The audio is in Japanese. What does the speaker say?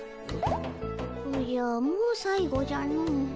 おじゃもう最後じゃの。